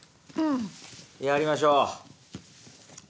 やりましょう。